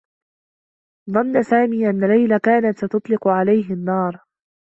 ظنّ سامي أنّ ليلى كانت ستطلق عليه النّار.